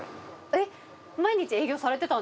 えっ？